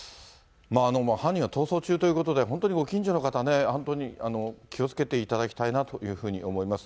犯人は逃走中ということで、本当にご近所の方ね、本当に気をつけていただきたいなというふうに思います。